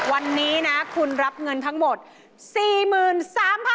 วันนี้นะคุณรับเงินทั้งหมด๔๓๐๐บาท